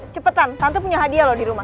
cepetan tante punya hadiah loh di rumah